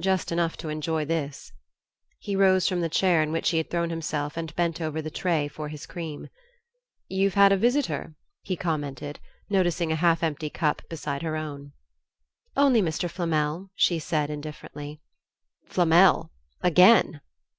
"Just enough to enjoy this." He rose from the chair in which he had thrown himself and bent over the tray for his cream. "You've had a visitor?" he commented, noticing a half empty cup beside her own. "Only Mr. Flamel," she said, indifferently. "Flamel? Again?"